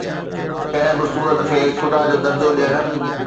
ڪنهن به صورت کي خدا جو درجو ڏيڻ